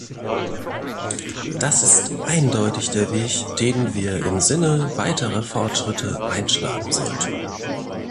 Das ist eindeutig der Weg, den wir im Sinne weiterer Fortschritte einschlagen sollten.